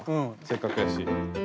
せっかくやし。